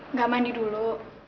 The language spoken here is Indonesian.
nggak mandi dulu